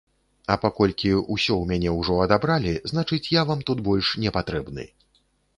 А паколькі ўсё ў мяне ўжо адабралі, значыць, я вам тут больш не патрэбны.